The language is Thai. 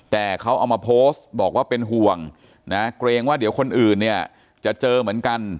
แต่เขาเอามาโพสต์บอกว่าเป็นห่วงนะเกรงว่าเดี๋ยวคนอื่นเนี่ยจะเจอเหมือนกัน